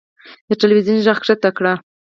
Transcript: د تلوېزون ږغ کښته کړه .